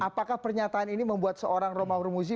apakah pernyataan ini membuat seorang romau rumuzi